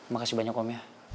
makasih banyak om ya